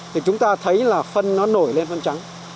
thì chúng ta thấy là phân nó nổi lên phân trắng